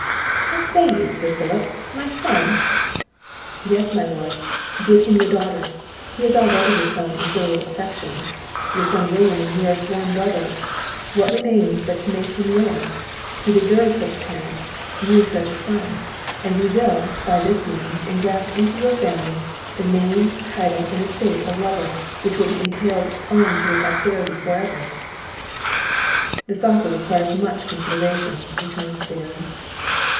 "How say you, Sir Philip? my son!" "Yes, my lord, give him your daughter. He is already your son in filial affection; your son William and he are sworn brothers; what remains but to make him yours? He deserves such a parent, you such a son; and you will, by this means, ingraft into your family, the name, title, and estate of Lovel, which will be entailed on your posterity for ever." "This offer requires much consideration," returned the Baron.